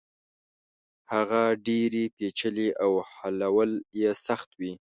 هغه ډېرې پېچلې او حلول يې سخت وي.